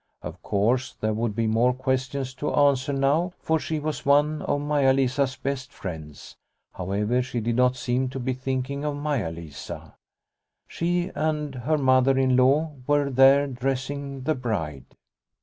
Of course there would be more questions to answer now, for she was one. IO4 Liliecrona's Home of Maia Lisa's best friends. However, she did not seem to be thinking of Maia Lisa. She and her Mother in law were there dressing the bride.